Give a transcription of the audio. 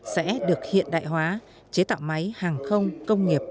sẽ được hiện đại hóa chế tạo máy hàng không công nghiệp